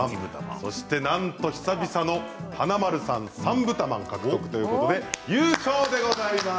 そして、なんと久々の華丸さん３ぶたまん獲得ということで優勝でございます。